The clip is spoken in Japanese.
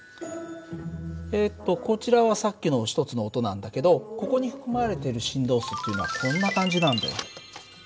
えっとこちらはさっきの１つの音なんだけどここに含まれている振動数っていうのはこんな感じなんだよ。